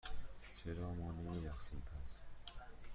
چرا ما نمی رقصیم، پس؟